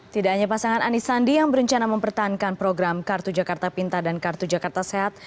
tidak hanya pasangan anies sandi yang berencana mempertahankan program kartu jakarta pintar dan kartu jakarta sehat